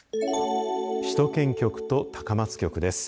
首都圏局と高松局です。